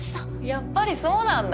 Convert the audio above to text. やっぱりそうなんだ。